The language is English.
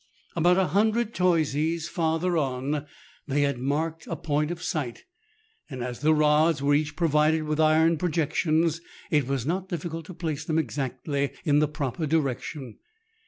About a hundred toises 64 MERIDIANA ; THE ADVENTURES OF farther on, they had marked a point of sight, and as the rods were each provided with iron projections, it was not difficult to place them exactly in the proper direction.